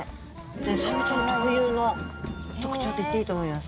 サメちゃん特有の特徴と言っていいと思います。